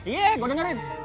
iya gue dengerin